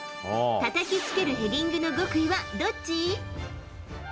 たたきつけるヘディングの極意はどっち？